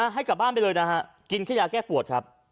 ให้กลับบ้านไปเลยนะฮะกินแค่ยาแก้ปวดครับ